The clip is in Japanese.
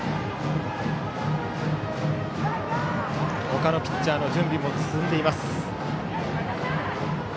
他のピッチャーの準備も進んでいます。